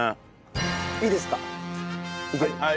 いいですか？